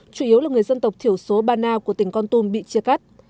chủ yếu là người dân tộc thiểu số bana của tỉnh con tum bị chia cắt